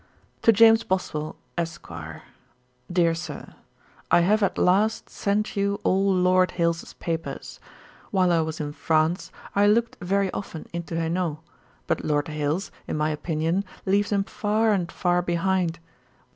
'To JAMES BOSWELL, ESQ. 'DEAR SIR, 'I have at last sent you all Lord Hailes's papers. While I was in France, I looked very often into Henault; but Lord Hailes, in my opinion, leaves him far and far behind.